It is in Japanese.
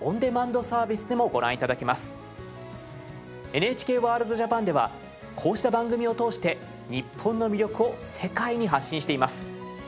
ＮＨＫワールドＪＡＰＡＮではこうした番組を通して日本の魅力を世界に発信しています。